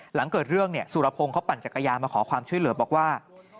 หลังเกิดเรื่องสุรพงศ์เขาปั่นจักรยานมาขอความช่วยเหลือบอกว่า